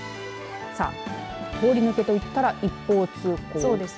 さあ、通り抜けといったら一方通行です。